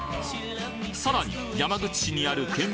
さらに山口市にある県民